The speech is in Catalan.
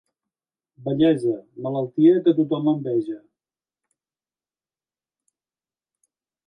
Vellesa, malaltia que tothom enveja.